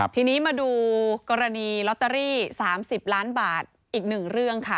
ทีนี้มาดูกรณีลอตเตอรี่๓๐ล้านบาทอีกหนึ่งเรื่องค่ะ